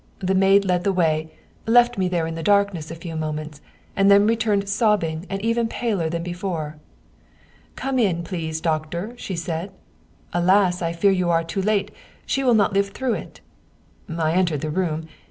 The maid led the way, left me there in the darkness a few moments, and then returned sobbing and even paler than before. "' Come in, please, doctor/ she said. ' Alas ! I fear you are come too late she will not live through it.' I entered the room.